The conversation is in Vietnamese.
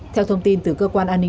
theo thông tin từ cơ quan an ninh